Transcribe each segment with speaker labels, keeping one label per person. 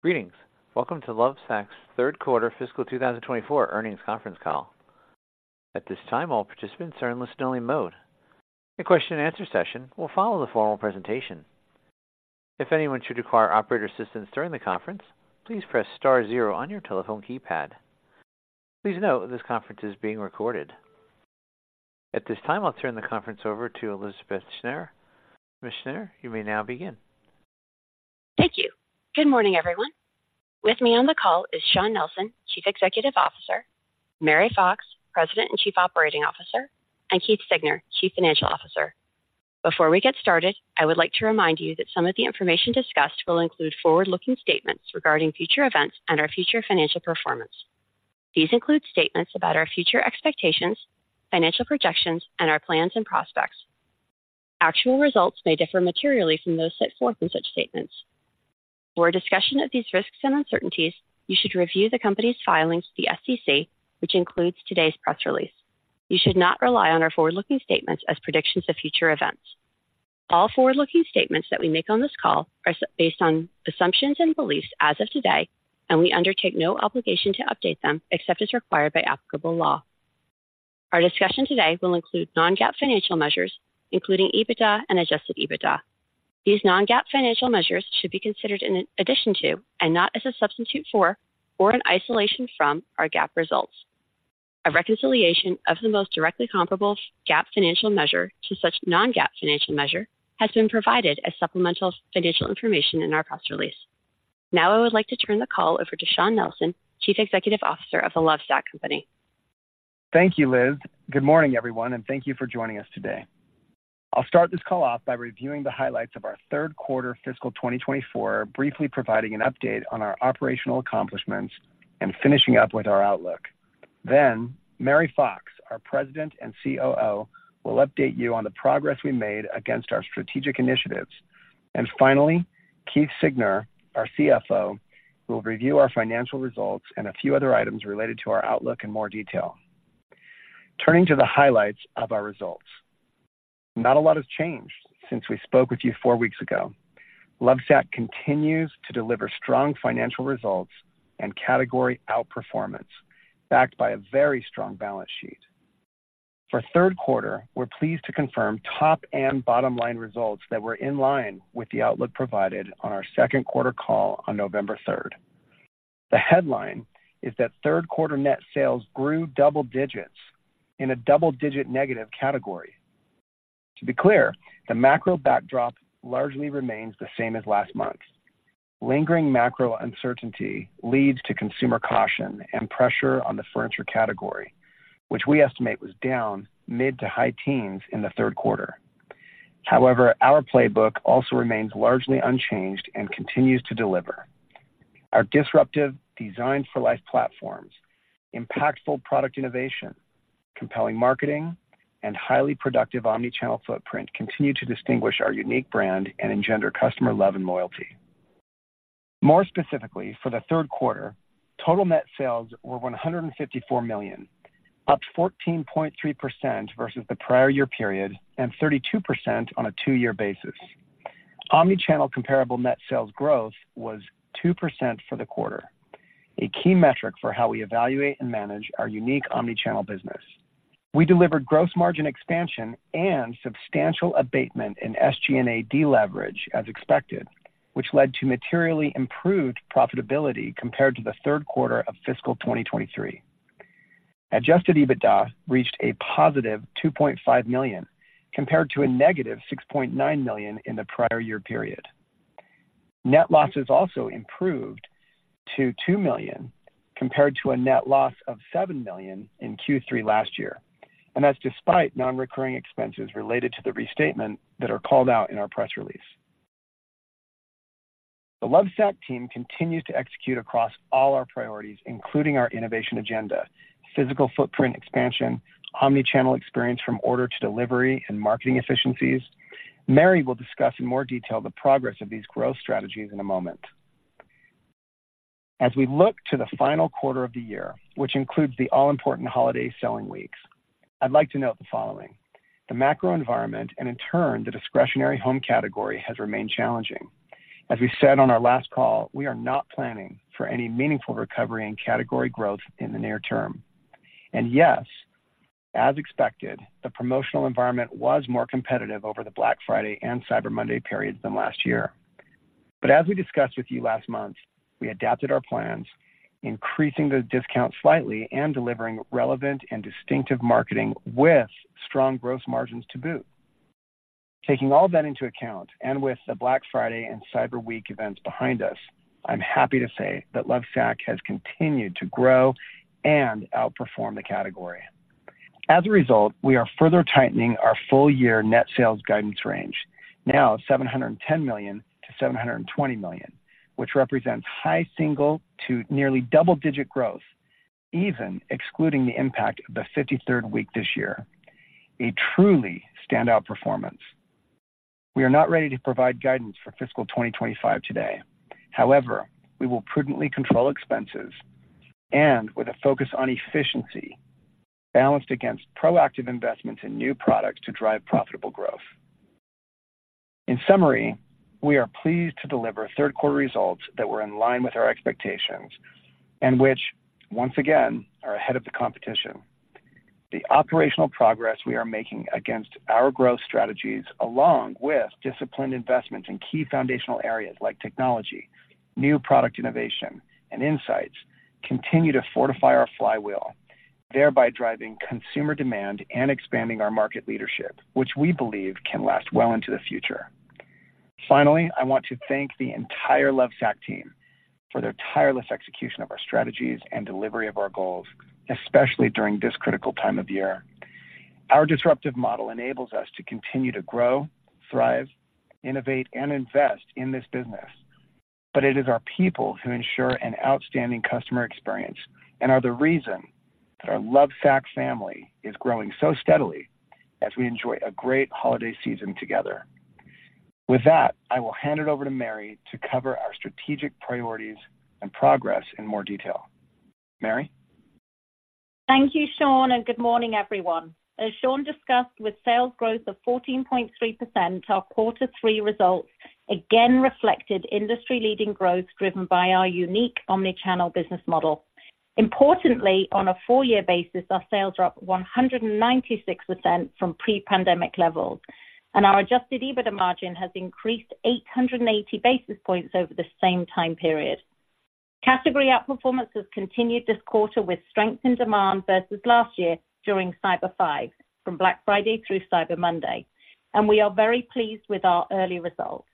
Speaker 1: Greetings. Welcome to Lovesac's third quarter fiscal 2024 earnings conference call. At this time, all participants are in listen-only mode. A question-and-answer session will follow the formal presentation. If anyone should require operator assistance during the conference, please press star zero on your telephone keypad. Please note, this conference is being recorded. At this time, I'll turn the conference over to Elizabeth Schnair. Ms. Schnair, you may now begin.
Speaker 2: Thank you. Good morning, everyone. With me on the call is Shawn Nelson, Chief Executive Officer, Mary Fox, President and Chief Operating Officer, and Keith Siegner, Chief Financial Officer. Before we get started, I would like to remind you that some of the information discussed will include forward-looking statements regarding future events and our future financial performance. These include statements about our future expectations, financial projections, and our plans and prospects. Actual results may differ materially from those set forth in such statements. For a discussion of these risks and uncertainties, you should review the company's filings to the SEC, which includes today's press release. You should not rely on our forward-looking statements as predictions of future events. All forward-looking statements that we make on this call are based on assumptions and beliefs as of today, and we undertake no obligation to update them except as required by applicable law. Our discussion today will include non-GAAP financial measures, including EBITDA and adjusted EBITDA. These non-GAAP financial measures should be considered in addition to and not as a substitute for or an isolation from our GAAP results. A reconciliation of the most directly comparable GAAP financial measure to such non-GAAP financial measure has been provided as supplemental financial information in our press release. Now, I would like to turn the call over to Shawn Nelson, Chief Executive Officer of the Lovesac Company.
Speaker 3: Thank you, Liz. Good morning, everyone, and thank you for joining us today. I'll start this call off by reviewing the highlights of our third quarter fiscal 2024, briefly providing an update on our operational accomplishments and finishing up with our outlook. Then Mary Fox, our President and COO, will update you on the progress we made against our strategic initiatives. And finally, Keith Siegner, our CFO, will review our financial results and a few other items related to our outlook in more detail. Turning to the highlights of our results, not a lot has changed since we spoke with you four weeks ago. Lovesac continues to deliver strong financial results and category outperformance, backed by a very strong balance sheet. For third quarter, we're pleased to confirm top and bottom-line results that were in line with the outlook provided on our second quarter call on November third. The headline is that third quarter net sales grew double digits in a double-digit negative category. To be clear, the macro backdrop largely remains the same as last month. Lingering macro uncertainty leads to consumer caution and pressure on the furniture category, which we estimate was down mid to high teens in the third quarter. However, our playbook also remains largely unchanged and continues to deliver. Our disruptive Designed for Life platforms, impactful product innovation, compelling marketing, and highly productive omnichannel footprint continue to distinguish our unique brand and engender customer love and loyalty. More specifically, for the third quarter, total net sales were $154 million, up 14.3% versus the prior year period and 32% on a two-year basis. Omnichannel comparable net sales growth was 2% for the quarter, a key metric for how we evaluate and manage our unique omnichannel business. We delivered gross margin expansion and substantial abatement in SG&A deleverage as expected, which led to materially improved profitability compared to the third quarter of fiscal 2023. Adjusted EBITDA reached a positive $2.5 million, compared to a negative $6.9 million in the prior year period. Net losses also improved to $2 million, compared to a net loss of $7 million in Q3 last year, and that's despite non-recurring expenses related to the restatement that are called out in our press release. The Lovesac team continued to execute across all our priorities, including our innovation agenda, physical footprint expansion, omnichannel experience from order to delivery, and marketing efficiencies. Mary will discuss in more detail the progress of these growth strategies in a moment. As we look to the final quarter of the year, which includes the all-important holiday selling weeks, I'd like to note the following: The macro environment, and in turn, the discretionary home category, has remained challenging. As we said on our last call, we are not planning for any meaningful recovery in category growth in the near term. And yes, as expected, the promotional environment was more competitive over the Black Friday and Cyber Monday periods than last year. But as we discussed with you last month, we adapted our plans, increasing the discount slightly and delivering relevant and distinctive marketing with strong growth margins to boot. Taking all that into account, and with the Black Friday and Cyber Week events behind us, I'm happy to say that Lovesac has continued to grow and outperform the category. As a result, we are further tightening our full-year net sales guidance range, now $710 million-$720 million, which represents high single to nearly double-digit growth, even excluding the impact of the 53rd week this year. A truly standout performance. We are not ready to provide guidance for fiscal 2025 today. However, we will prudently control expenses and with a focus on efficiency balanced against proactive investments in new products to drive profitable growth. In summary, we are pleased to deliver third quarter results that were in line with our expectations, and which once again, are ahead of the competition. The operational progress we are making against our growth strategies, along with disciplined investments in key foundational areas like technology, new product innovation, and insights, continue to fortify our flywheel, thereby driving consumer demand and expanding our market leadership, which we believe can last well into the future. Finally, I want to thank the entire Lovesac team for their tireless execution of our strategies and delivery of our goals, especially during this critical time of year. Our disruptive model enables us to continue to grow, thrive, innovate, and invest in this business, but it is our people who ensure an outstanding customer experience and are the reason that our Lovesac family is growing so steadily as we enjoy a great holiday season together. With that, I will hand it over to Mary to cover our strategic priorities and progress in more detail. Mary?
Speaker 4: Thank you, Shawn, and good morning, everyone. As Shawn discussed, with sales growth of 14.3%, our quarter three results again reflected industry-leading growth, driven by our unique omnichannel business model. Importantly, on a four-year basis, our sales are up 196% from pre-pandemic levels, and our adjusted EBITDA margin has increased 880 basis points over the same time period. Category outperformance has continued this quarter with strength in demand versus last year during Cyber Five, from Black Friday through Cyber Monday, and we are very pleased with our early results.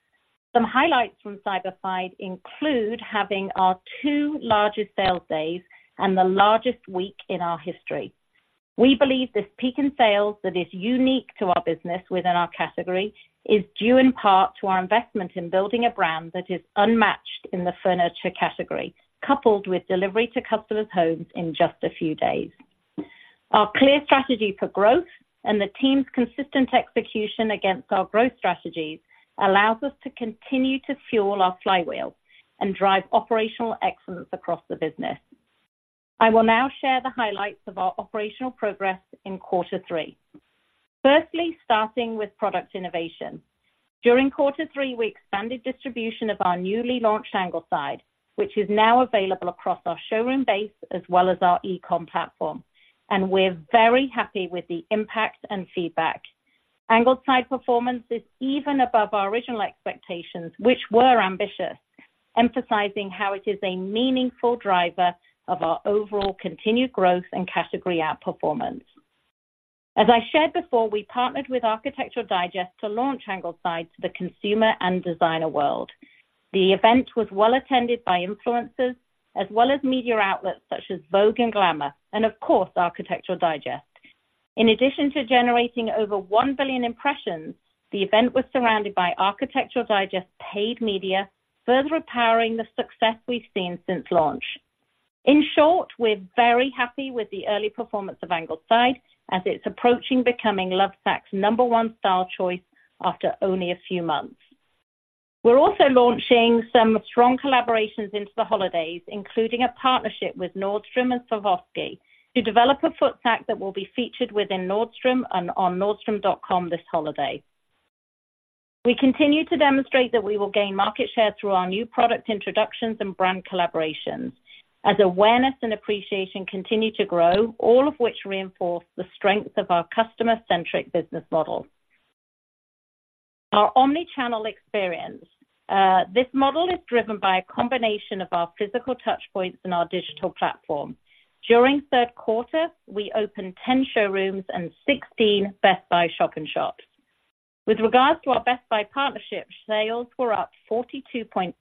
Speaker 4: Some highlights from Cyber Five include having our two largest sales days and the largest week in our history. We believe this peak in sales that is unique to our business within our category, is due in part to our investment in building a brand that is unmatched in the furniture category, coupled with delivery to customers' homes in just a few days. Our clear strategy for growth and the team's consistent execution against our growth strategies allows us to continue to fuel our flywheel and drive operational excellence across the business. I will now share the highlights of our operational progress in quarter three. Firstly, starting with product innovation. During quarter three, we expanded distribution of our newly launched Angled Side, which is now available across our showroom base as well as our e-com platform, and we're very happy with the impact and feedback. Angled Side performance is even above our original expectations, which were ambitious, emphasizing how it is a meaningful driver of our overall continued growth and category outperformance. As I shared before, we partnered with Architectural Digest to launch Angled Side to the consumer and designer world. The event was well attended by influencers as well as media outlets such as Vogue and Glamour, and of course, Architectural Digest. In addition to generating over 1 billion impressions, the event was surrounded by Architectural Digest paid media, further powering the success we've seen since launch. In short, we're very happy with the early performance of Angled Side, as it's approaching becoming Lovesac's number one style choice after only a few months. We're also launching some strong collaborations into the holidays, including a partnership with Nordstrom and Swarovski, to develop a Footsac that will be featured within Nordstrom and on Nordstrom.com this holiday. We continue to demonstrate that we will gain market share through our new product introductions and brand collaborations, as awareness and appreciation continue to grow, all of which reinforce the strength of our customer-centric business model. Our omnichannel experience. This model is driven by a combination of our physical touch points and our digital platform. During the third quarter, we opened 10 showrooms and 16 Best Buy shop-in-shops. With regards to our Best Buy partnership, sales were up 42.8%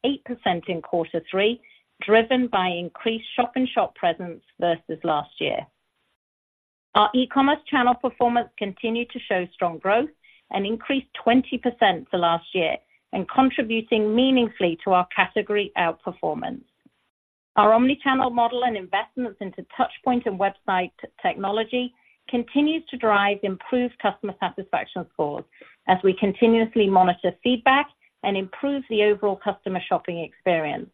Speaker 4: in quarter three, driven by increased shop-in-shop presence versus last year. Our e-commerce channel performance continued to show strong growth and increased 20% to last year, and contributing meaningfully to our category outperformance. Our omnichannel model and investments into touch point and website technology continues to drive improved customer satisfaction scores, as we continuously monitor feedback and improve the overall customer shopping experience.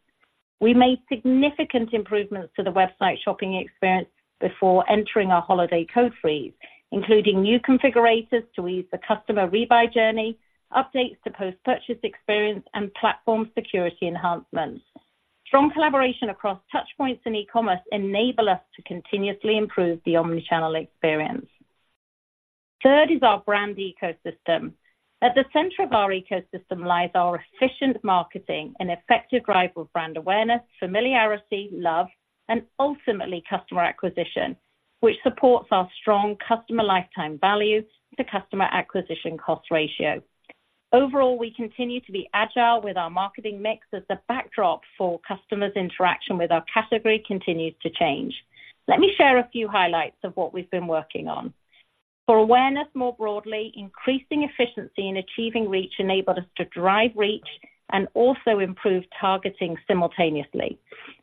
Speaker 4: We made significant improvements to the website shopping experience before entering our holiday code freeze, including new configurators to ease the customer rebuy journey, updates to post-purchase experience, and platform security enhancements. Strong collaboration across touch points and e-commerce enable us to continuously improve the omnichannel experience. Third is our brand ecosystem. At the center of our ecosystem lies our efficient marketing and effective driver brand awareness, familiarity, love, and ultimately, customer acquisition, which supports our strong customer lifetime value to customer acquisition cost ratio. Overall, we continue to be agile with our marketing mix, as the backdrop for customers' interaction with our category continues to change. Let me share a few highlights of what we've been working on. For awareness, more broadly, increasing efficiency and achieving reach enabled us to drive reach and also improve targeting simultaneously.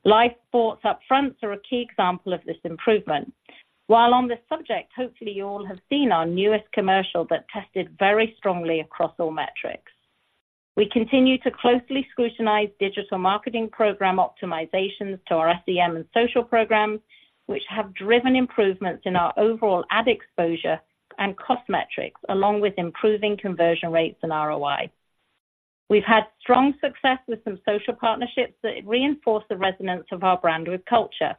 Speaker 4: Live sports upfronts are a key example of this improvement. While on this subject, hopefully, you all have seen our newest commercial that tested very strongly across all metrics. We continue to closely scrutinize digital marketing program optimizations to our SEM and social programs, which have driven improvements in our overall ad exposure and cost metrics, along with improving conversion rates and ROI. We've had strong success with some social partnerships that reinforce the resonance of our brand with culture.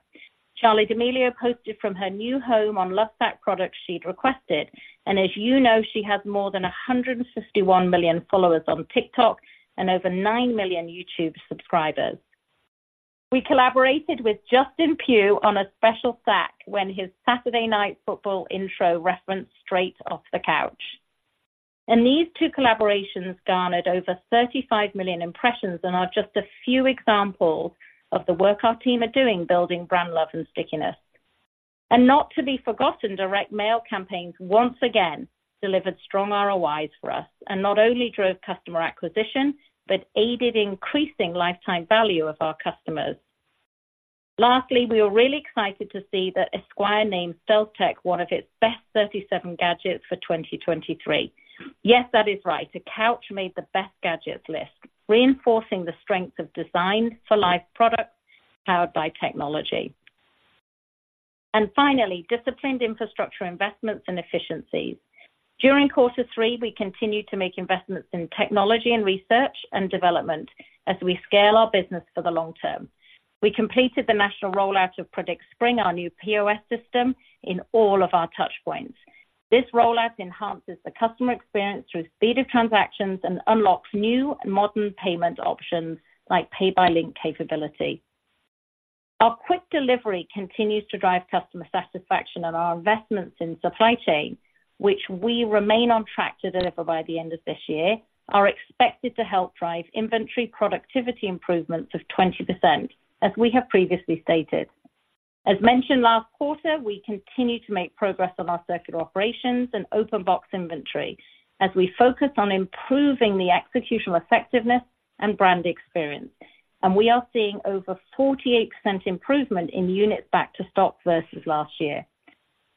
Speaker 4: Charli D'Amelio posted from her new home on Lovesac products she'd requested, and as you know, she has more than 151 million followers on TikTok and over 9 million YouTube subscribers. We collaborated with Justin Pugh on a special Sac when his Saturday Night Football intro referenced straight off the couch. These two collaborations garnered over 35 million impressions and are just a few examples of the work our team are doing, building brand love and stickiness. Not to be forgotten, direct mail campaigns once again delivered strong ROIs for us, and not only drove customer acquisition, but aided increasing lifetime value of our customers. Lastly, we are really excited to see that Esquire named StealthTech one of its best 37 gadgets for 2023. Yes, that is right. A couch made the best gadgets list, reinforcing the strength of Designed for Life products powered by technology. Finally, disciplined infrastructure investments and efficiencies. During quarter three, we continued to make investments in technology and research and development as we scale our business for the long term. We completed the national rollout of PredictSpring, our new POS system, in all of our touch points. This rollout enhances the customer experience through speed of transactions and unlocks new and modern payment options like pay by link capability. Our quick delivery continues to drive customer satisfaction and our investments in supply chain, which we remain on track to deliver by the end of this year, are expected to help drive inventory productivity improvements of 20%, as we have previously stated. As mentioned last quarter, we continue to make progress on our circular operations and open box inventory as we focus on improving the executional effectiveness and brand experience. We are seeing over 48% improvement in units back to stock versus last year.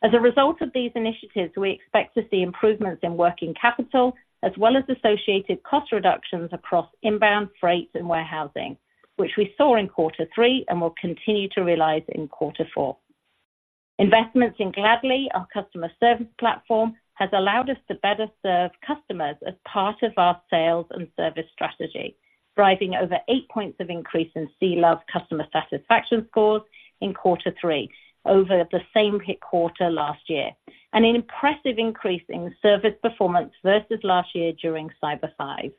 Speaker 4: As a result of these initiatives, we expect to see improvements in working capital, as well as associated cost reductions across inbound freight and warehousing, which we saw in quarter three and will continue to realize in quarter four. Investments in Gladly, our customer service platform, has allowed us to better serve customers as part of our sales and service strategy, driving over eight points of increase in cLove customer satisfaction scores in quarter three over the same quarter last year, and an impressive increase in service performance versus last year during Cyber Five.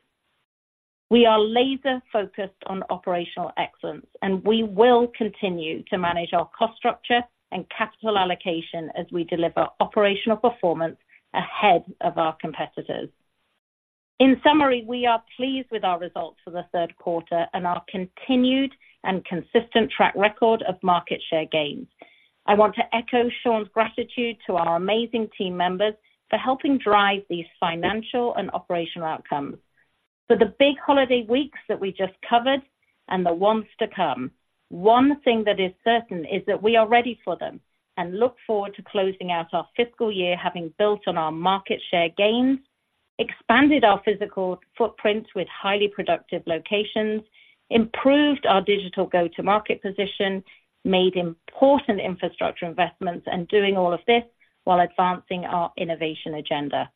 Speaker 4: We are laser focused on operational excellence, and we will continue to manage our cost structure and capital allocation as we deliver operational performance ahead of our competitors. In summary, we are pleased with our results for the third quarter and our continued and consistent track record of market share gains. I want to echo Shawn's gratitude to our amazing team members for helping drive these financial and operational outcomes. For the big holiday weeks that we just covered and the ones to come, one thing that is certain is that we are ready for them and look forward to closing out our fiscal year, having built on our market share gains, expanded our physical footprints with highly productive locations, improved our digital go-to-market position, made important infrastructure investments, and doing all of this while advancing our innovation agenda.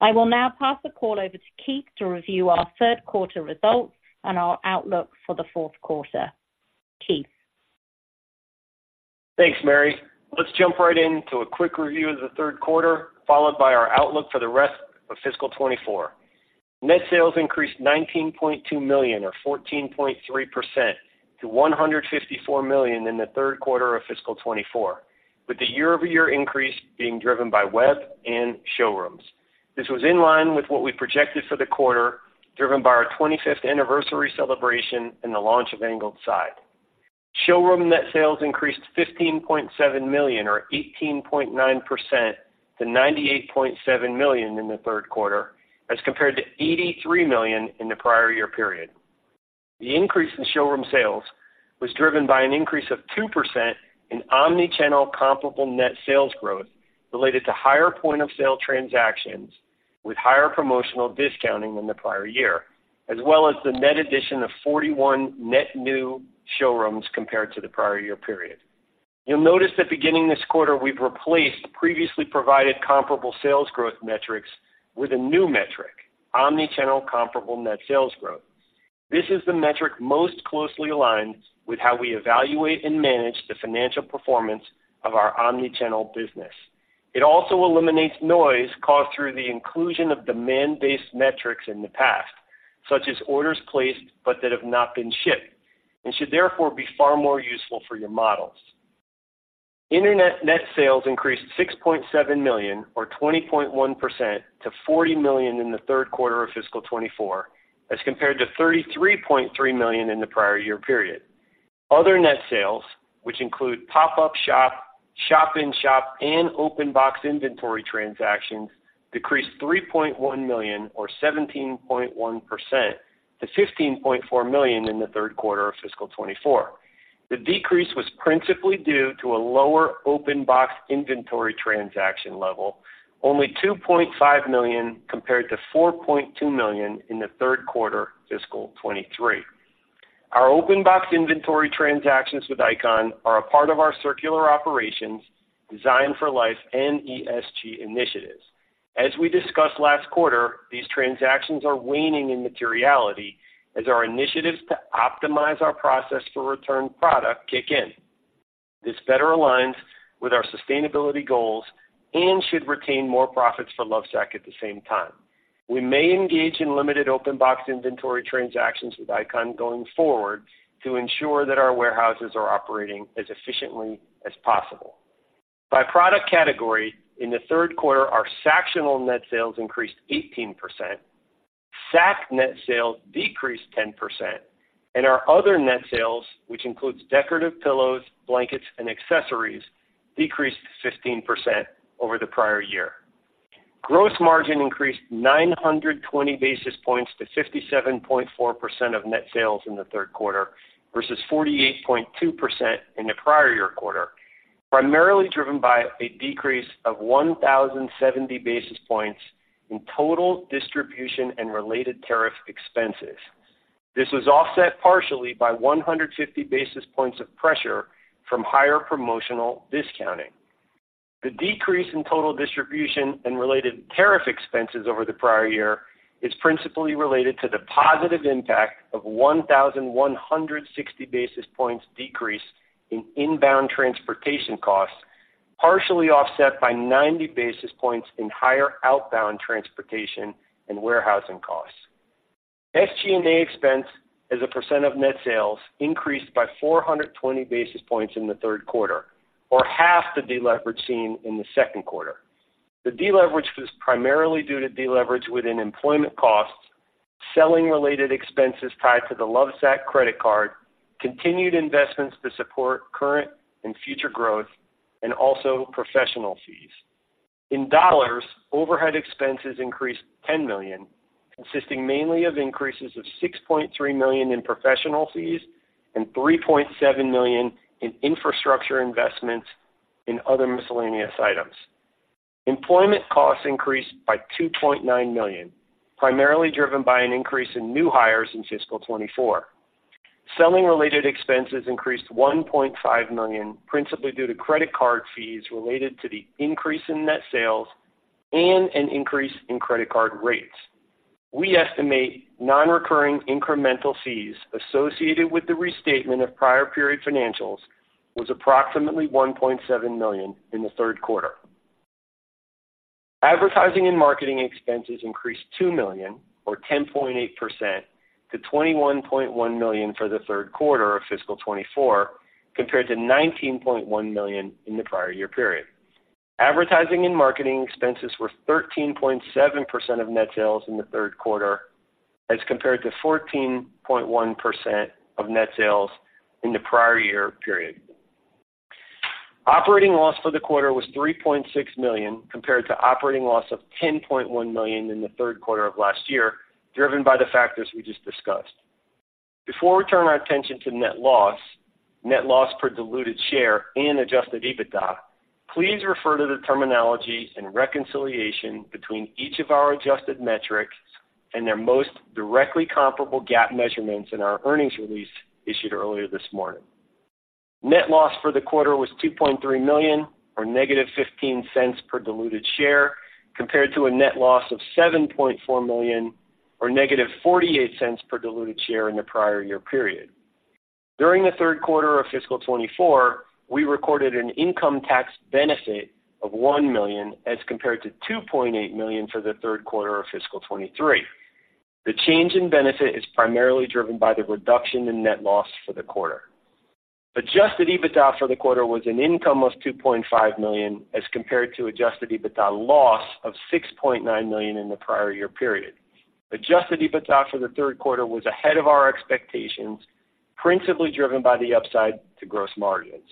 Speaker 4: I will now pass the call over to Keith to review our third quarter results and our outlook for the fourth quarter. Keith?
Speaker 5: Thanks, Mary. Let's jump right into a quick review of the third quarter, followed by our outlook for the rest of fiscal 2024. Net sales increased $19.2 million, or 14.3%, to $154 million in the third quarter of fiscal 2024, with the year-over-year increase being driven by web and showrooms. This was in line with what we projected for the quarter, driven by our 25th anniversary celebration and the launch of Angled Side. Showroom net sales increased $15.7 million, or 18.9%, to $98.7 million in the third quarter, as compared to $83 million in the prior year period. The increase in showroom sales was driven by an increase of 2% in omnichannel comparable net sales growth related to higher point-of-sale transactions with higher promotional discounting than the prior year, as well as the net addition of 41 net new showrooms compared to the prior year period. You'll notice that beginning this quarter, we've replaced previously provided comparable sales growth metrics with a new metric, omnichannel comparable net sales growth. This is the metric most closely aligned with how we evaluate and manage the financial performance of our omnichannel business. It also eliminates noise caused through the inclusion of demand-based metrics in the past, such as orders placed but that have not been shipped, and should therefore be far more useful for your models. Internet net sales increased $6.7 million, or 20.1%, to $40 million in the third quarter of fiscal 2024, as compared to $33.3 million in the prior year period. Other net sales, which include pop-up shop, shop-in-shop, and open box inventory transactions, decreased $3.1 million, or 17.1%, to $15.4 million in the third quarter of fiscal 2024. The decrease was principally due to a lower open box inventory transaction level, only $2.5 million compared to $4.2 million in the third quarter, fiscal 2023. Our open box inventory transactions with ICON are a part of our circular operations, Designed for Life, and ESG initiatives. As we discussed last quarter, these transactions are waning in materiality as our initiatives to optimize our process for returned product kick in. This better aligns with our sustainability goals and should retain more profits for Lovesac at the same time. We may engage in limited open box inventory transactions with ICON going forward to ensure that our warehouses are operating as efficiently as possible. By product category, in the third quarter, our Sactionals net sales increased 18%, Sac net sales decreased 10%, and our other net sales, which includes decorative pillows, blankets, and accessories, decreased 15% over the prior year. Gross margin increased 920 basis points to 57.4% of net sales in the third quarter, versus 48.2% in the prior year quarter, primarily driven by a decrease of 1,070 basis points in total distribution and related tariff expenses. This was offset partially by 150 basis points of pressure from higher promotional discounting. The decrease in total distribution and related tariff expenses over the prior year is principally related to the positive impact of 1,160 basis points decrease in inbound transportation costs, partially offset by 90 basis points in higher outbound transportation and warehousing costs. SG&A expense as a % of net sales increased by 420 basis points in the third quarter, or half the deleverage seen in the second quarter. The deleverage was primarily due to deleverage within employment costs, selling-related expenses tied to the Lovesac credit card, continued investments to support current and future growth, and also professional fees. In dollars, overhead expenses increased $10 million, consisting mainly of increases of $6.3 million in professional fees and $3.7 million in infrastructure investments in other miscellaneous items. Employment costs increased by $2.9 million, primarily driven by an increase in new hires in fiscal 2024. Selling-related expenses increased $1.5 million, principally due to credit card fees related to the increase in net sales and an increase in credit card rates. We estimate nonrecurring incremental fees associated with the restatement of prior period financials was approximately $1.7 million in the third quarter. Advertising and marketing expenses increased $2 million, or 10.8% to $21.1 million for the third quarter of fiscal 2024, compared to $19.1 million in the prior year period. Advertising and marketing expenses were 13.7% of net sales in the third quarter as compared to 14.1% of net sales in the prior year period. Operating loss for the quarter was $3.6 million, compared to operating loss of $10.1 million in the third quarter of last year, driven by the factors we just discussed. Before we turn our attention to net loss, net loss per diluted share, and adjusted EBITDA, please refer to the terminology and reconciliation between each of our adjusted metrics and their most directly comparable GAAP measurements in our earnings release issued earlier this morning. Net loss for the quarter was $2.3 million, or -$0.15 per diluted share, compared to a net loss of $7.4 million, or -$0.48 per diluted share in the prior year period. During the third quarter of fiscal 2024, we recorded an income tax benefit of $1 million as compared to $2.8 million for the third quarter of fiscal 2023. The change in benefit is primarily driven by the reduction in net loss for the quarter. Adjusted EBITDA for the quarter was an income of $2.5 million, as compared to adjusted EBITDA loss of $6.9 million in the prior year period. Adjusted EBITDA for the third quarter was ahead of our expectations, principally driven by the upside to gross margins.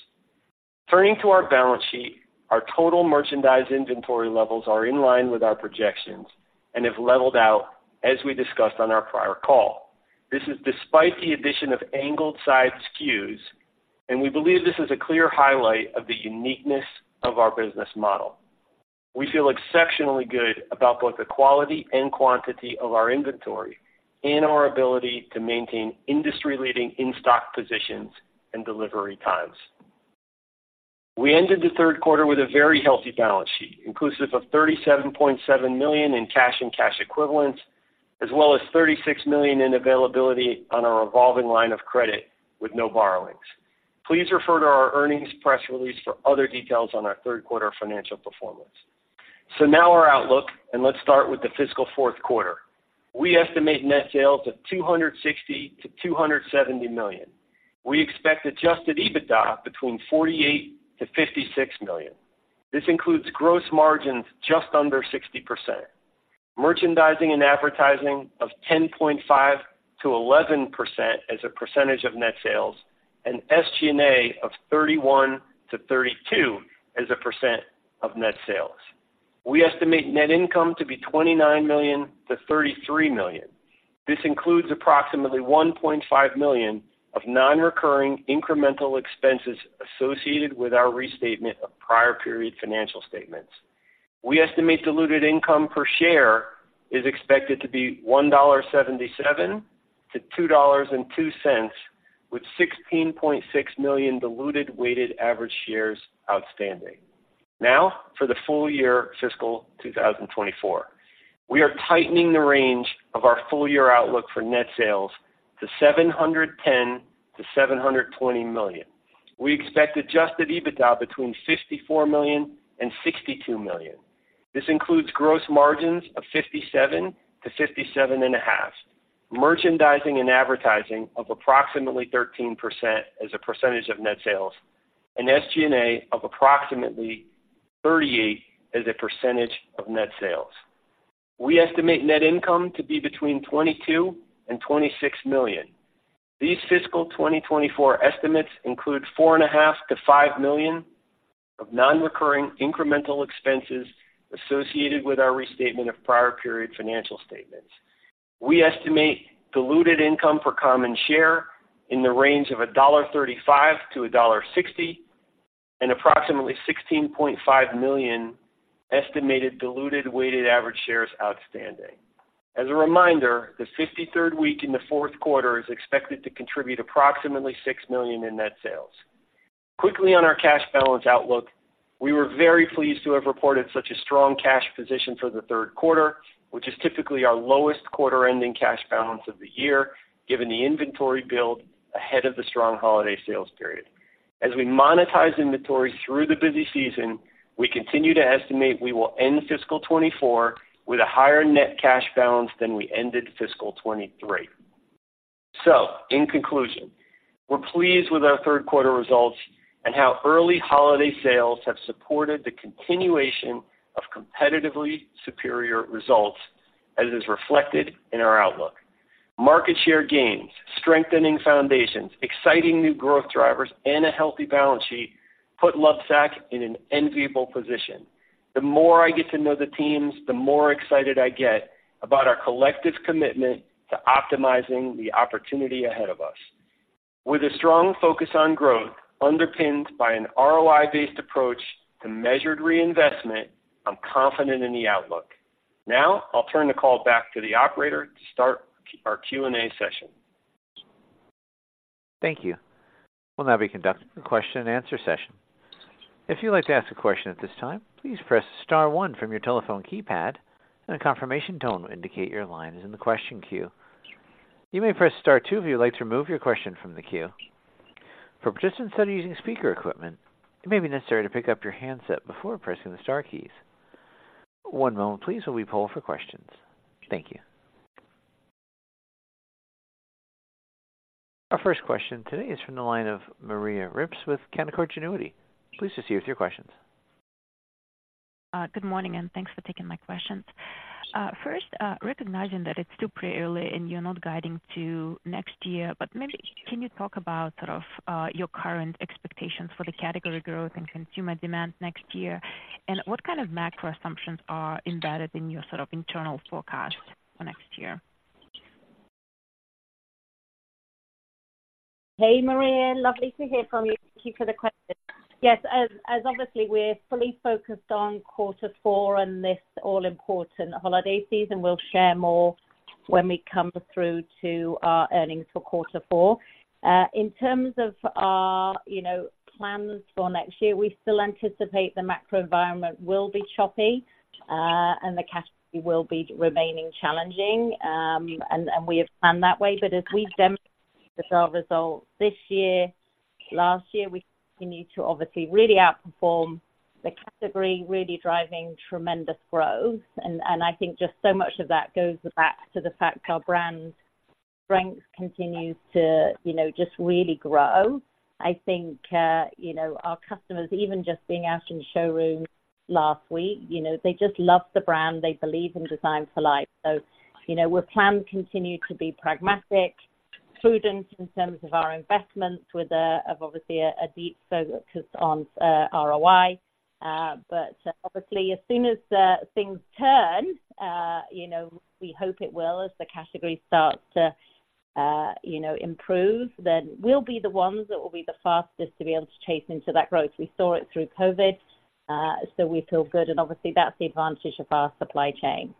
Speaker 5: Turning to our balance sheet, our total merchandise inventory levels are in line with our projections and have leveled out as we discussed on our prior call. This is despite the addition of Angled Side SKUs, and we believe this is a clear highlight of the uniqueness of our business model. We feel exceptionally good about both the quality and quantity of our inventory and our ability to maintain industry-leading in-stock positions and delivery times. We ended the third quarter with a very healthy balance sheet, inclusive of $37.7 million in cash and cash equivalents, as well as $36 million in availability on our revolving line of credit with no borrowings. Please refer to our earnings press release for other details on our third quarter financial performance. So now our outlook, and let's start with the fiscal fourth quarter. We estimate net sales of $260 million-$270 million. We expect adjusted EBITDA between $48 million-$56 million. This includes gross margins just under 60%, merchandising and advertising of 10.5%-11% as a percentage of net sales, and SG&A of 31%-32% as a percent of net sales. We estimate net income to be $29 million-$33 million. This includes approximately $1.5 million of nonrecurring incremental expenses associated with our restatement of prior period financial statements. We estimate diluted income per share is expected to be $1.77-$2.02, with 16.6 million diluted weighted average shares outstanding. Now, for the full year fiscal 2024, we are tightening the range of our full-year outlook for net sales to $710 million-$720 million. We expect adjusted EBITDA between $54 million and $62 million. This includes gross margins of 57%-57.5%, merchandising and advertising of approximately 13% as a percentage of net sales, and SG&A of approximately 38% as a percentage of net sales. We estimate net income to be between $22 million and $26 million. These fiscal 2024 estimates include $4.5 million-$5 million of nonrecurring incremental expenses associated with our restatement of prior period financial statements. We estimate diluted income for common share in the range of $1.35-$1.60, and approximately 16.5 million estimated diluted weighted average shares outstanding. As a reminder, the 53rd week in the fourth quarter is expected to contribute approximately $6 million in net sales. Quickly on our cash balance outlook, we were very pleased to have reported such a strong cash position for the third quarter, which is typically our lowest quarter-ending cash balance of the year, given the inventory build ahead of the strong holiday sales period. As we monetize inventory through the busy season, we continue to estimate we will end fiscal 2024 with a higher net cash balance than we ended fiscal 2023. So in conclusion, we're pleased with our third quarter results and how early holiday sales have supported the continuation of competitively superior results as it is reflected in our outlook. Market share gains, strengthening foundations, exciting new growth drivers, and a healthy balance sheet put Lovesac in an enviable position. The more I get to know the teams, the more excited I get about our collective commitment to optimizing the opportunity ahead of us. With a strong focus on growth, underpinned by an ROI-based approach to measured reinvestment, I'm confident in the outlook. Now, I'll turn the call back to the operator to start our Q&A session.
Speaker 1: Thank you. We'll now be conducting a question-and-answer session. If you'd like to ask a question at this time, please press star one from your telephone keypad, and a confirmation tone will indicate your line is in the question queue. You may press star two if you'd like to remove your question from the queue. For participants that are using speaker equipment, it may be necessary to pick up your handset before pressing the star keys. One moment, please, while we poll for questions. Thank you. Our first question today is from the line of Maria Ripps with Canaccord Genuity. Please proceed with your questions.
Speaker 6: Good morning, and thanks for taking my questions. First, recognizing that it's still pretty early and you're not guiding to next year, but maybe can you talk about sort of your current expectations for the category growth and consumer demand next year? And what kind of macro assumptions are embedded in your sort of internal forecast for next year?
Speaker 4: Hey, Maria. Lovely to hear from you. Thank you for the question. Yes, obviously, we're fully focused on quarter four and this all-important holiday season, we'll share more when we come through to our earnings for quarter four. In terms of our, you know, plans for next year, we still anticipate the macro environment will be choppy, and the category will be remaining challenging, and we have planned that way. But as we've demonstrated our results this year, last year, we continue to obviously really outperform the category, really driving tremendous growth. And, and I think just so much of that goes back to the fact our brand strength continues to, you know, just really grow. I think, you know, our customers, even just being out in showrooms last week, you know, they just love the brand. They believe in Design for Life. So, you know, we're planned continue to be pragmatic, prudent in terms of our investments with, obviously a deep focus on, ROI. But obviously, as soon as, things turn, you know, we hope it will, as the category starts to, you know, improve, then we'll be the ones that will be the fastest to be able to chase into that growth. We saw it through COVID, so we feel good, and obviously, that's the advantage of our supply chain.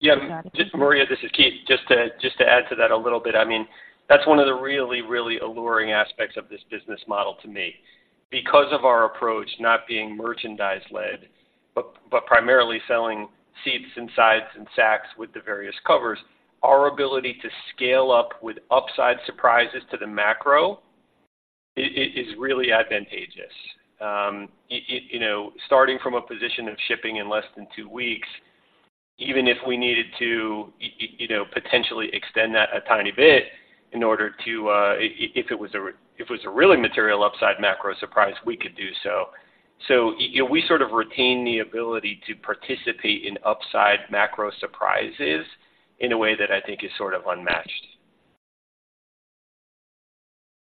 Speaker 5: Yeah, just Maria, this is Keith. Just to add to that a little bit, I mean, that's one of the really, really alluring aspects of this business model to me. Because of our approach, not being merchandise-led, but primarily selling seats and sides and sacks with the various covers, our ability to scale up with upside surprises to the macro is really advantageous. You know, starting from a position of shipping in less than 2 weeks, even if we needed to, you know, potentially extend that a tiny bit in order to, if it was a really material upside macro surprise, we could do so. So you know, we sort of retain the ability to participate in upside macro surprises in a way that I think is sort of unmatched....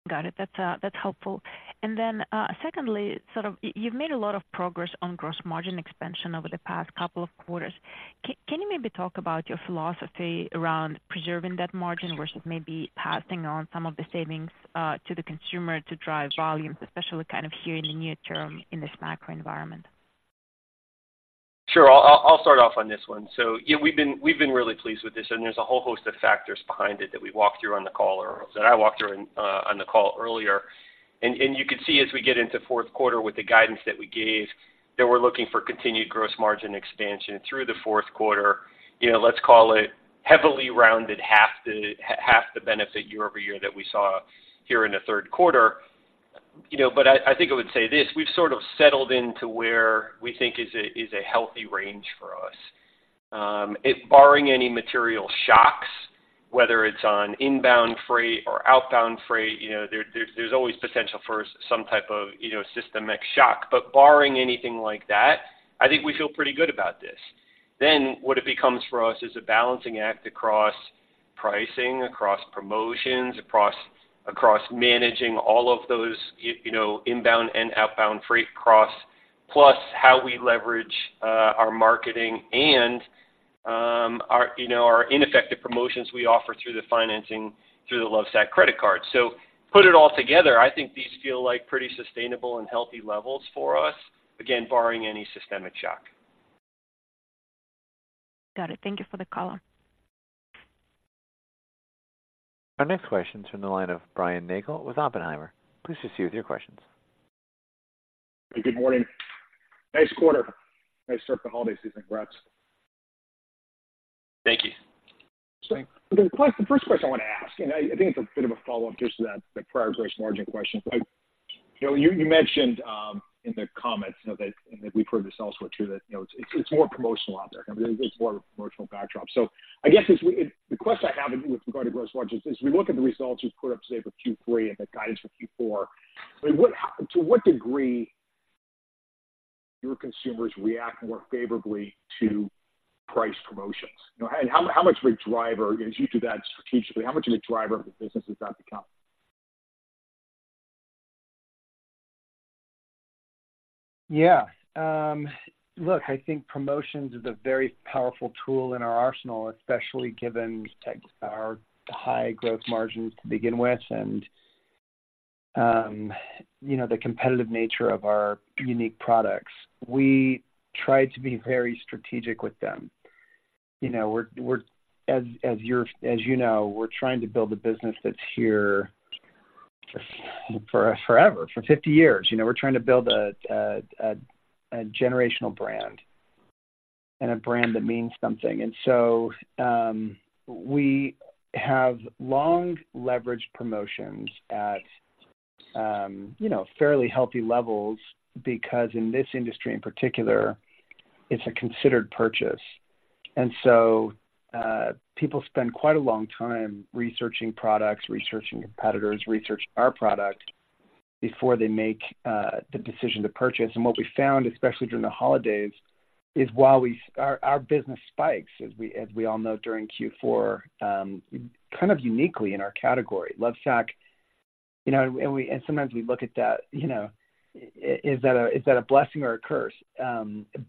Speaker 6: Got it. That's, that's helpful. And then, secondly, sort of, you've made a lot of progress on gross margin expansion over the past couple of quarters. Can you maybe talk about your philosophy around preserving that margin versus maybe passing on some of the savings to the consumer to drive volumes, especially kind of here in the near term, in this macro environment?
Speaker 5: Sure. I'll start off on this one. So yeah, we've been really pleased with this, and there's a whole host of factors behind it that we walked through on the call earlier, and I walked through on the call earlier. And you can see as we get into fourth quarter with the guidance that we gave, that we're looking for continued gross margin expansion through the fourth quarter. You know, let's call it heavily rounded half the benefit year over year that we saw here in the third quarter. You know, but I think I would say this: We've sort of settled into where we think is a healthy range for us. If barring any material shocks, whether it's on inbound freight or outbound freight, you know, there's always potential for some type of, you know, systemic shock. But barring anything like that, I think we feel pretty good about this. Then, what it becomes for us is a balancing act across pricing, across promotions, across managing all of those, you know, inbound and outbound freight costs, plus how we leverage our marketing and, our, you know, our ineffective promotions we offer through the financing, through the Lovesac credit card. So put it all together, I think these feel like pretty sustainable and healthy levels for us. Again, barring any systemic shock.
Speaker 6: Got it. Thank you for the color.
Speaker 1: Our next question is from the line of Brian Nagel with Oppenheimer. Please proceed with your questions.
Speaker 7: Good morning. Nice quarter. Nice start to the holiday season, congrats.
Speaker 5: Thank you.
Speaker 7: So the first question I want to ask, and I think it's a bit of a follow-up just to that, the prior gross margin question. You know, you mentioned in the comments, you know, that, and we've heard this elsewhere, too, that, you know, it's more promotional out there. I mean, there's more promotional backdrop. So I guess it's the question I have regarding gross margins: we look at the results you've put up today for Q3 and the guidance for Q4, I mean, to what degree your consumers react more favorably to price promotions? You know, and how much of a driver, as you do that strategically, how much of a driver of the business is that become?
Speaker 3: Yeah. Look, I think promotions is a very powerful tool in our arsenal, especially given our high growth margins to begin with and, you know, the competitive nature of our unique products. We try to be very strategic with them. You know, we're, as you know, we're trying to build a business that's here for forever, for 50 years. You know, we're trying to build a generational brand and a brand that means something. And so, we have long leveraged promotions at, you know, fairly healthy levels because in this industry in particular, it's a considered purchase. And so, people spend quite a long time researching products, researching competitors, researching our product, before they make the decision to purchase. And what we found, especially during the holidays, is while we... Our business spikes, as we all know, during Q4, kind of uniquely in our category. Lovesac, you know, and sometimes we look at that, you know, is that a blessing or a curse?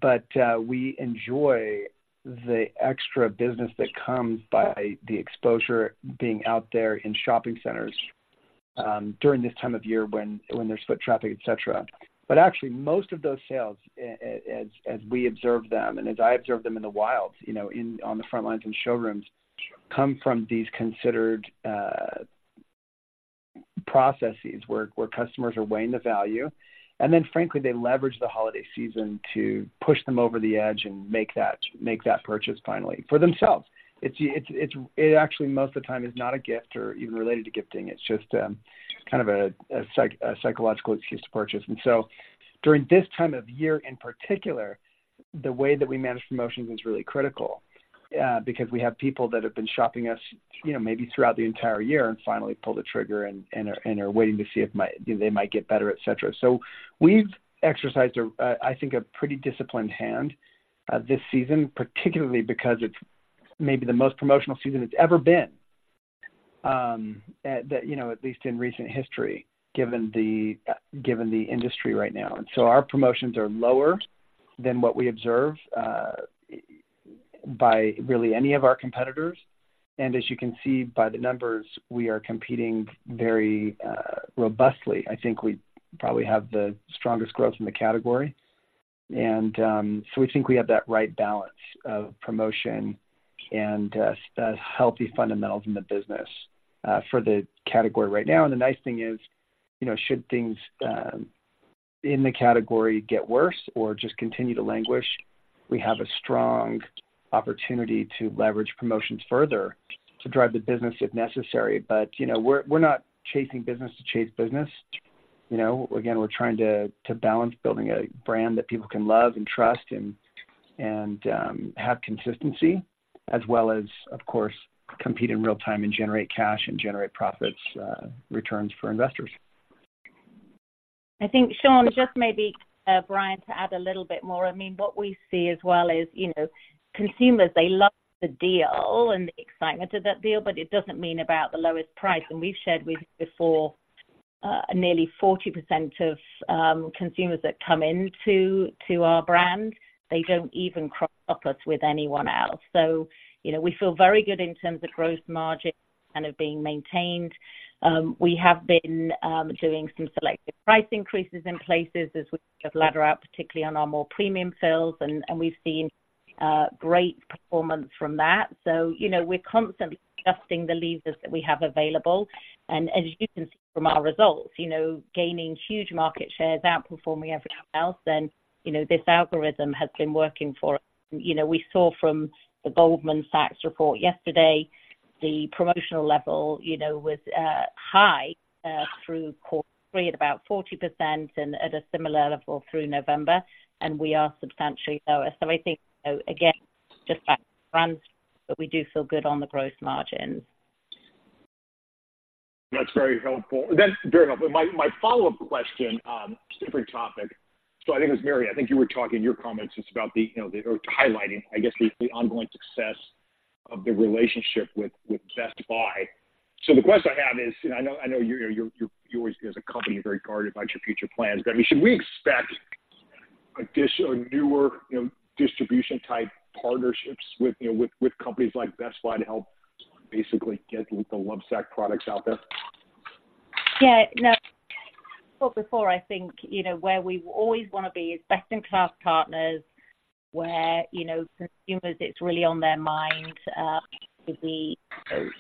Speaker 3: But we enjoy the extra business that comes by the exposure being out there in shopping centers, during this time of year when there's foot traffic, et cetera. But actually, most of those sales, as we observe them, and as I observe them in the wild, you know, on the front lines in showrooms, come from these considered processes where customers are weighing the value, and then, frankly, they leverage the holiday season to push them over the edge and make that purchase finally for themselves. It actually, most of the time, is not a gift or even related to gifting. It's just kind of a psychological excuse to purchase. And so during this time of year, in particular, the way that we manage promotions is really critical because we have people that have been shopping us, you know, maybe throughout the entire year and finally pull the trigger and are waiting to see if they might get better, et cetera. So we've exercised, I think, a pretty disciplined hand this season, particularly because it's maybe the most promotional season it's ever been, you know, at least in recent history, given the industry right now. So our promotions are lower than what we observe by really any of our competitors, and as you can see by the numbers, we are competing very robustly. I think we probably have the strongest growth in the category. So we think we have that right balance of promotion and healthy fundamentals in the business for the category right now. The nice thing is, you know, should things in the category get worse or just continue to languish, we have a strong opportunity to leverage promotions further to drive the business, if necessary. But, you know, we're not chasing business to chase business. You know, again, we're trying to balance building a brand that people can love and trust and have consistency, as well as, of course, compete in real time and generate cash and generate profits, returns for investors....
Speaker 4: I think, Shawn, just maybe, Brian, to add a little bit more. I mean, what we see as well is, you know, consumers, they love the deal and the excitement of that deal, but it doesn't mean about the lowest price. And we've shared with you before, nearly 40% of consumers that come into our brand, they don't even cross shop us with anyone else. So, you know, we feel very good in terms of gross margin and of being maintained. We have been doing some selective price increases in places as we just ladder out, particularly on our more premium fills, and we've seen great performance from that. So, you know, we're constantly adjusting the levers that we have available. As you can see from our results, you know, gaining huge market shares, outperforming everyone else, then, you know, this algorithm has been working for us. You know, we saw from the Goldman Sachs report yesterday, the promotional level, you know, was high through quarter three at about 40% and at a similar level through November, and we are substantially lower. So I think, again, just back to brands, but we do feel good on the gross margins.
Speaker 7: That's very helpful. That's very helpful. My follow-up question, different topic. So I think it was Mary, I think you were talking in your comments, just about the, you know, the highlighting, I guess, the ongoing success of the relationship with Best Buy. So the question I have is, I know you always, as a company, are very guarded about your future plans. But I mean, should we expect addition or newer, you know, distribution type partnerships with companies like Best Buy to help basically get the Sactionals products out there?
Speaker 4: Yeah. No, well, before I think, you know, where we always want to be is best-in-class partners, where, you know, consumers, it's really on their mind, as we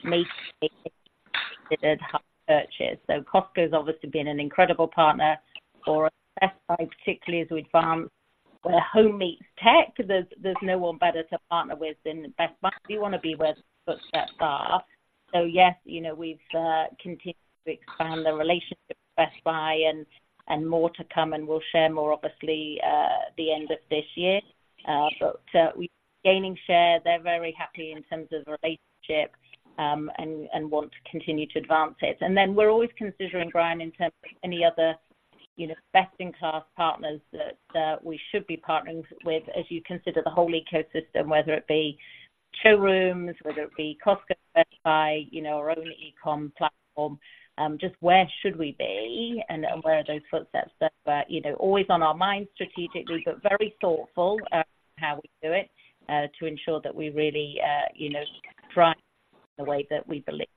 Speaker 4: make it purchased. So Costco has obviously been an incredible partner for Best Buy, particularly as we advance where home meets tech. There's, there's no one better to partner with than Best Buy. We want to be where the footsteps are. So yes, you know, we've continued to expand the relationship with Best Buy and, and more to come, and we'll share more, obviously, the end of this year. But, we're gaining share. They're very happy in terms of the relationship, and, and want to continue to advance it. And then we're always considering, Brian, in terms of any other, you know, best-in-class partners that, we should be partnering with as you consider the whole ecosystem, whether it be showrooms, whether it be Costco, Best Buy, you know, our own e-com platform, just where should we be and where are those footsteps that were, you know, always on our mind strategically, but very thoughtful of how we do it, to ensure that we really, you know, thrive the way that we believe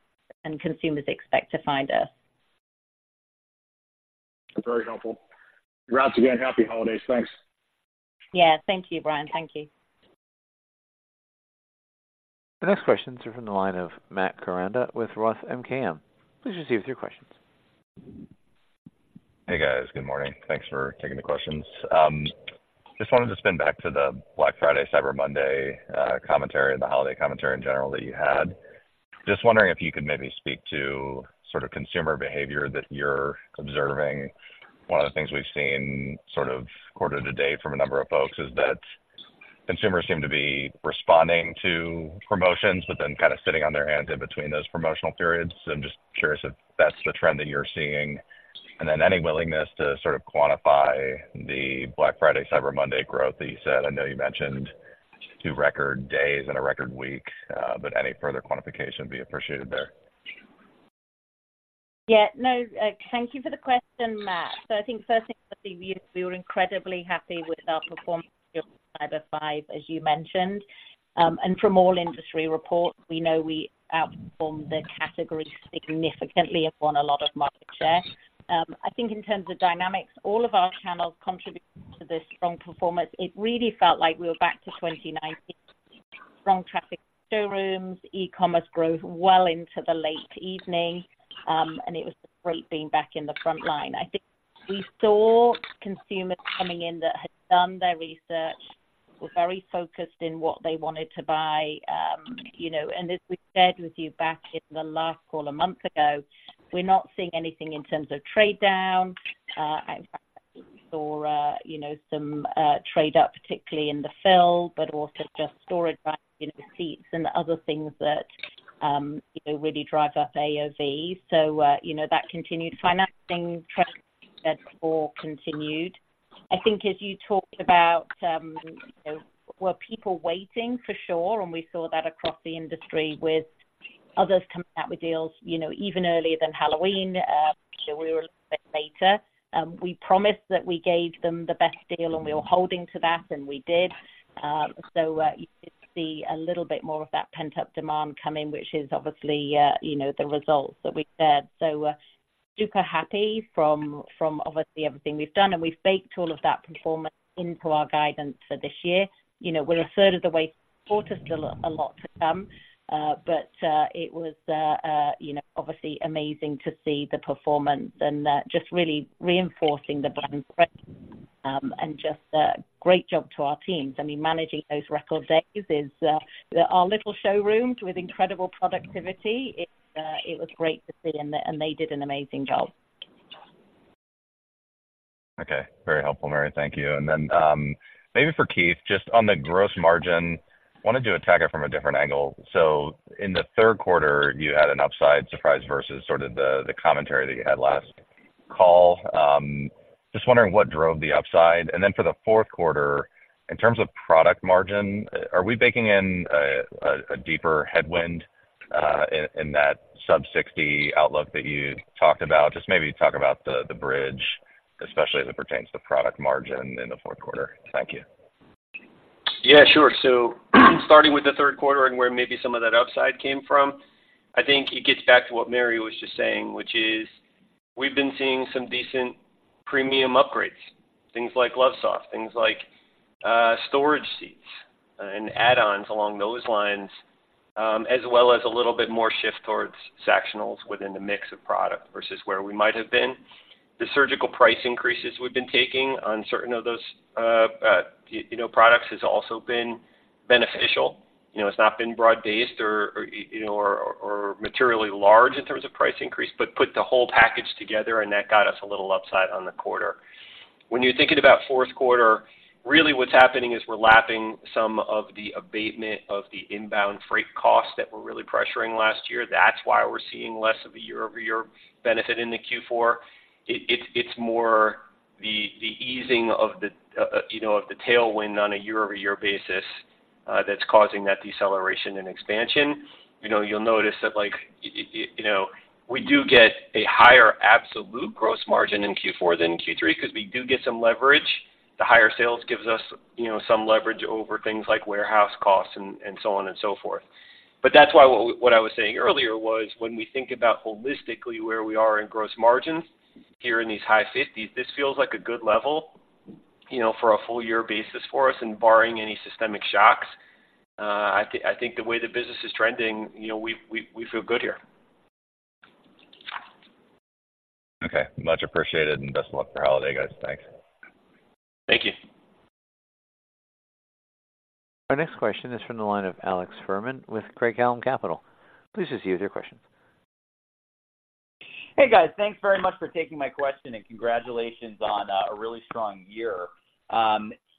Speaker 4: and consumers expect to find us.
Speaker 7: Very helpful. Congrats again. Happy holidays. Thanks.
Speaker 4: Yeah, thank you, Brian. Thank you.
Speaker 1: The next questions are from the line of Matt Koranda with Roth MKM. Please receive your questions.
Speaker 8: Hey, guys. Good morning. Thanks for taking the questions. Just wanted to spin back to the Black Friday, Cyber Monday commentary, the holiday commentary in general that you had. Just wondering if you could maybe speak to sort of consumer behavior that you're observing. One of the things we've seen sort of quarter to date from a number of folks is that consumers seem to be responding to promotions, but then kind of sitting on their hands in between those promotional periods. I'm just curious if that's the trend that you're seeing, and then any willingness to sort of quantify the Black Friday, Cyber Monday growth that you said. I know you mentioned two record days and a record week, but any further quantification would be appreciated there.
Speaker 4: Yeah. No, thank you for the question, Matt. So I think first thing, we were incredibly happy with our performance on Cyber Five, as you mentioned. And from all industry reports, we know we outperformed the category significantly upon a lot of market share. I think in terms of dynamics, all of our channels contributed to this strong performance. It really felt like we were back to 2019. Strong traffic showrooms, e-commerce growth well into the late evening, and it was great being back in the frontline. I think we saw consumers coming in that had done their research, were very focused in what they wanted to buy, you know, and as we shared with you back in the last call a month ago, we're not seeing anything in terms of trade down. I saw, you know, some trade up, particularly in the fill, but also just storage seats and other things that, you know, really drive up AOV. So, you know, that continued financing trend that all continued. I think as you talked about, were people waiting? For sure, and we saw that across the industry with others coming out with deals, you know, even earlier than Halloween. So we were a little bit later. We promised that we gave them the best deal, and we were holding to that, and we did. So, you did see a little bit more of that pent-up demand come in, which is obviously, you know, the results that we've said. So, super happy from obviously everything we've done, and we've baked all of that performance into our guidance for this year. You know, we're a third of the way, still a lot to come, but it was, you know, obviously amazing to see the performance and just really reinforcing the brand, and just a great job to our teams. I mean, managing those record days is our little showrooms with incredible productivity. It was great to see them, and they did an amazing job.
Speaker 8: Okay, very helpful, Mary. Thank you. And then, maybe for Keith, just on the gross margin. Wanted to attack it from a different angle. So in the third quarter, you had an upside surprise versus sort of the, the commentary that you had last call. Just wondering what drove the upside? And then for the fourth quarter, in terms of product margin, are we baking in a deeper headwind in that sub sixty outlook that you talked about? Just maybe talk about the, the bridge, especially as it pertains to product margin in the fourth quarter. Thank you.
Speaker 5: Yeah, sure. So starting with the third quarter and where maybe some of that upside came from, I think it gets back to what Mary was just saying, which is we've been seeing some decent premium upgrades, things like LoveSoft, things like, storage seats and add-ons along those lines, as well as a little bit more shift towards Sactionals within the mix of product versus where we might have been. The surgical price increases we've been taking on certain of those, you know, products, has also been beneficial. You know, it's not been broad-based or, you know, or materially large in terms of price increase, but put the whole package together, and that got us a little upside on the quarter. When you're thinking about fourth quarter, really what's happening is we're lapping some of the abatement of the inbound freight costs that were really pressuring last year. That's why we're seeing less of a year-over-year benefit in the Q4. It's more the easing of the, you know, of the tailwind on a year-over-year basis that's causing that deceleration and expansion. You know, you'll notice that, like, you know, we do get a higher absolute gross margin in Q4 than Q3 because we do get some leverage. The higher sales gives us, you know, some leverage over things like warehouse costs and so on and so forth. But that's why what I was saying earlier was, when we think about holistically where we are in gross margins here in these high 50s%, this feels like a good level, you know, for a full year basis for us, and barring any systemic shocks, I think the way the business is trending, you know, we feel good here.
Speaker 8: Okay, much appreciated, and best of luck for holiday, guys. Thanks.
Speaker 5: Thank you.
Speaker 1: Our next question is from the line of Alex Fuhrman with Craig-Hallum Capital. Please just use your question.
Speaker 9: Hey, guys. Thanks very much for taking my question, and congratulations on a really strong year.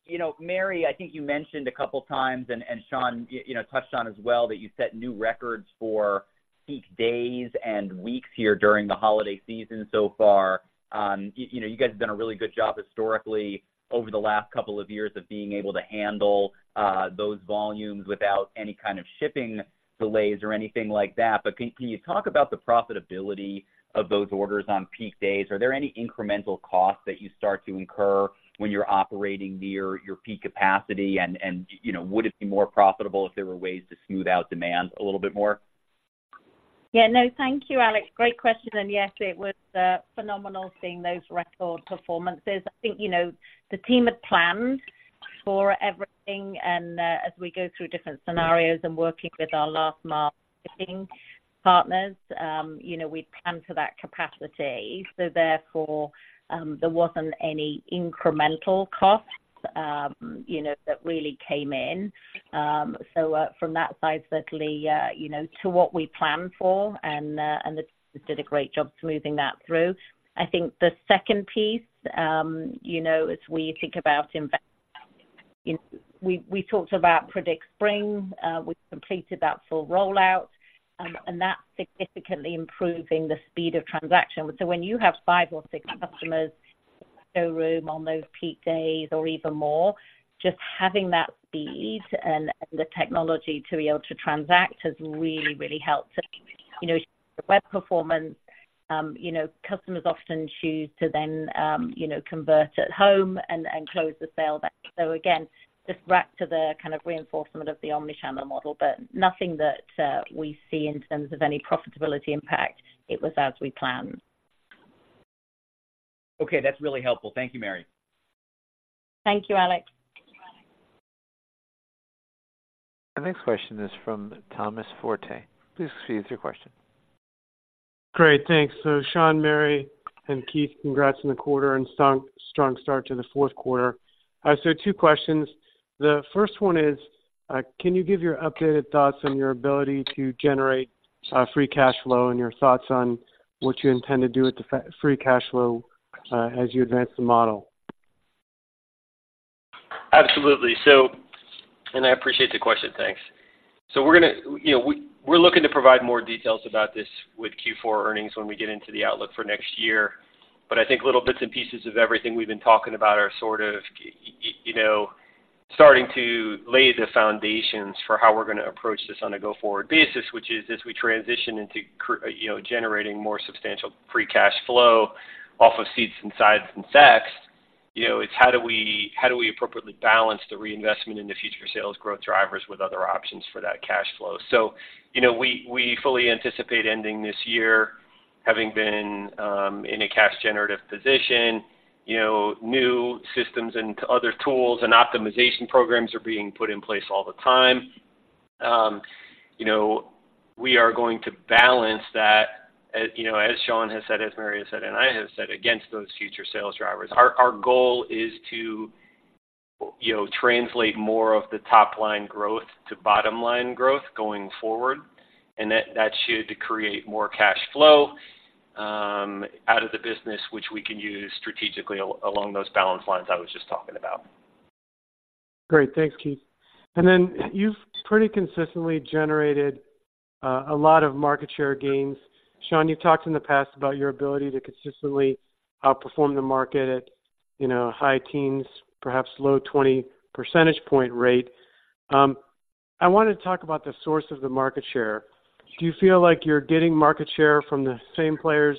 Speaker 9: You know, Mary, I think you mentioned a couple of times, and Shawn, you know, touched on as well, that you set new records for peak days and weeks here during the holiday season so far. You know, you guys have done a really good job historically over the last couple of years of being able to handle those volumes without any kind of shipping delays or anything like that. But can you talk about the profitability of those orders on peak days? Are there any incremental costs that you start to incur when you're operating near your peak capacity? And, you know, would it be more profitable if there were ways to smooth out demand a little bit more?
Speaker 4: Yeah. No, thank you, Alex. Great question. And yes, it was phenomenal seeing those record performances. I think, you know, the team had planned for everything, and as we go through different scenarios and working with our last mile marketing partners, you know, we'd planned for that capacity. So therefore, there wasn't any incremental costs, you know, that really came in. So, from that side, certainly, you know, to what we planned for, and they did a great job smoothing that through. I think the second piece, you know, as we think about we, we talked about PredictSpring. We completed that full rollout, and that's significantly improving the speed of transaction. So when you have five or six customers in the showroom on those peak days or even more, just having that speed and the technology to be able to transact has really, really helped. You know, the web performance, you know, customers often choose to then, you know, convert at home and close the sale. So again, just back to the kind of reinforcement of the omnichannel model, but nothing that we see in terms of any profitability impact. It was as we planned.
Speaker 9: Okay, that's really helpful. Thank you, Mary.
Speaker 4: Thank you, Alex.
Speaker 1: Our next question is from Thomas Forte. Please proceed with your question.
Speaker 10: Great, thanks. So Shawn, Mary, and Keith, congrats on the quarter and strong, strong start to the fourth quarter. So two questions. The first one is, can you give your updated thoughts on your ability to generate, free cash flow and your thoughts on what you intend to do with the free cash flow, as you advance the model?
Speaker 5: Absolutely. So I appreciate the question, thanks. So we're gonna, you know, we're looking to provide more details about this with Q4 earnings when we get into the outlook for next year. But I think little bits and pieces of everything we've been talking about are sort of, you know, starting to lay the foundations for how we're going to approach this on a go-forward basis, which is, as we transition into, you know, generating more substantial free cash flow off of seats and sides and Sacs, you know, it's how do we appropriately balance the reinvestment in the future sales growth drivers with other options for that cash flow? You know, we fully anticipate ending this year having been in a cash generative position. You know, new systems and other tools and optimization programs are being put in place all the time. You know, we are going to balance that, as you know, as Shawn has said, as Mary has said, and I have said, against those future sales drivers. Our goal is to, you know, translate more of the top-line growth to bottom-line growth going forward, and that should create more cash flow out of the business, which we can use strategically along those balance lines I was just talking about.
Speaker 10: Great. Thanks, Keith. Then you've pretty consistently generated a lot of market share gains. Sean, you've talked in the past about your ability to consistently outperform the market at, you know, high teens, perhaps low 20 percentage point rate. I wanted to talk about the source of the market share. Do you feel like you're getting market share from the same players,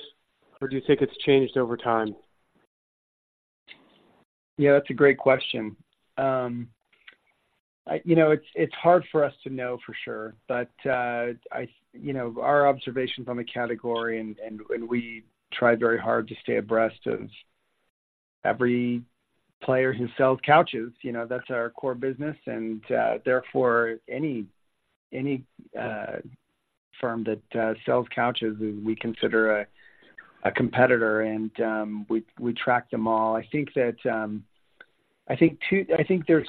Speaker 10: or do you think it's changed over time?
Speaker 3: Yeah, that's a great question. You know, it's hard for us to know for sure, but, you know, our observations on the category and we try very hard to stay abreast of every player who sells couches, you know, that's our core business. And therefore, any firm that sells couches, we consider a competitor, and we track them all. I think there's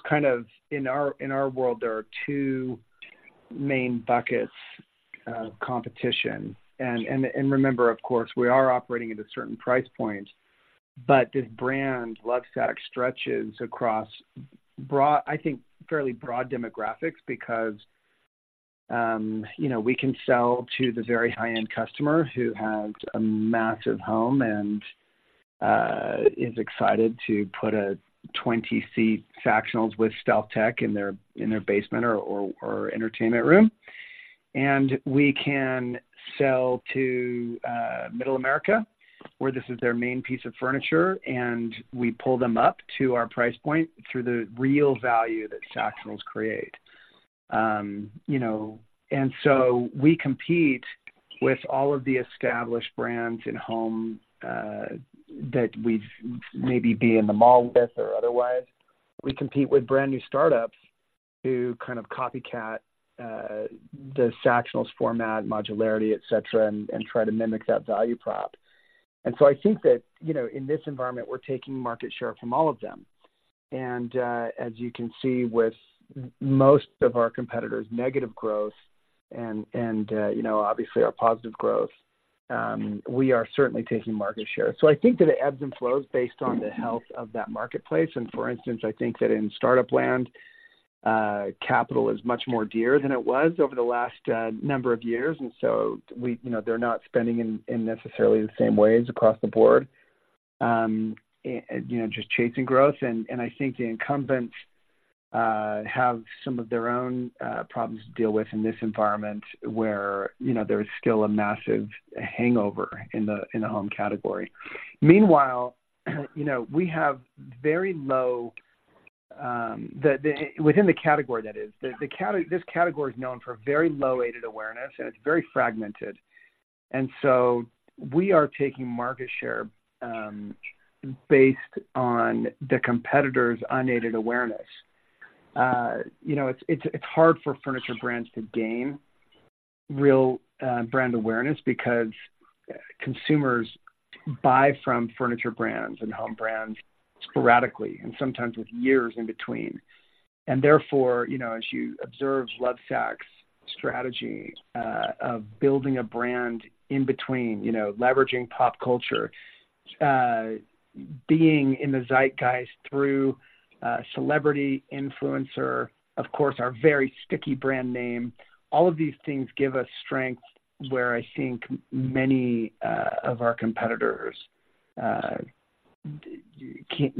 Speaker 3: kind of, in our world, there are two main buckets of competition. Remember, of course, we are operating at a certain price point, but this brand, Lovesac, stretches across broad, I think, fairly broad demographics because, you know, we can sell to the very high-end customer who has a massive home and is excited to put a 20-seat Sactionals with StealthTech in their basement or entertainment room. And we can sell to middle America, where this is their main piece of furniture, and we pull them up to our price point through the real value that Sactionals create. You know, and so we compete with all of the established brands in home that we've maybe been in the mall with or otherwise. We compete with brand-new startups who kind of copycat the Sactionals format, modularity, et cetera, and try to mimic that value prop. So I think that, you know, in this environment, we're taking market share from all of them. As you can see, with most of our competitors, negative growth and you know, obviously our positive growth, we are certainly taking market share. So I think that it ebbs and flows based on the health of that marketplace. For instance, I think that in startup land, capital is much more dear than it was over the last number of years, and so we, you know, they're not spending in necessarily the same ways across the board, you know, just chasing growth. I think the incumbents have some of their own problems to deal with in this environment where, you know, there is still a massive hangover in the home category. Meanwhile, you know, we have very low. The category—this category is known for very low aided awareness, and it's very fragmented. And so we are taking market share based on the competitor's unaided awareness. You know, it's hard for furniture brands to gain real brand awareness because consumers buy from furniture brands and home brands sporadically and sometimes with years in between. And therefore, you know, as you observe Lovesac's strategy of building a brand in between, you know, leveraging pop culture, being in the zeitgeist through celebrity influencer, of course, our very sticky brand name. All of these things give us strength, where I think many of our competitors can't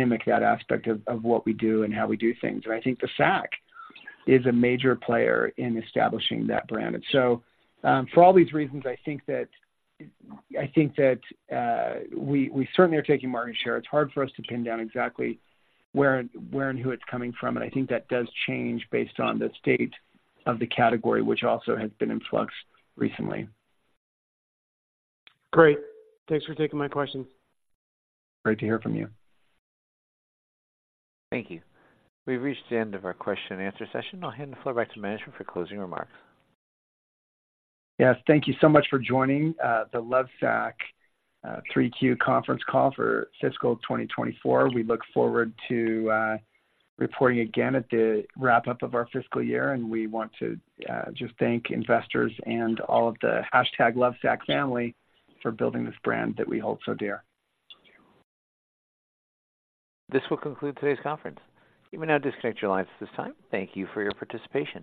Speaker 3: mimic that aspect of what we do and how we do things. I think the Sac is a major player in establishing that brand. For all these reasons, I think that we certainly are taking market share. It's hard for us to pin down exactly where and who it's coming from, and I think that does change based on the state of the category, which also has been in flux recently.
Speaker 10: Great. Thanks for taking my questions.
Speaker 3: Great to hear from you.
Speaker 1: Thank you. We've reached the end of our question and answer session. I'll hand the floor back to management for closing remarks.
Speaker 3: Yes, thank you so much for joining the Lovesac 3Q conference call for fiscal 2024. We look forward to reporting again at the wrap-up of our fiscal year, and we want to just thank investors and all of the hashtag Lovesac family for building this brand that we hold so dear.
Speaker 1: This will conclude today's conference. You may now disconnect your lines at this time. Thank you for your participation.